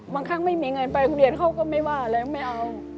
ครั้งไม่มีเงินไปโรงเรียนเขาก็ไม่ว่าอะไรไม่เอา